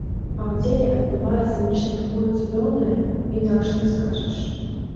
А ў целе адбываецца нешта такое цудоўнае, інакш не скажаш.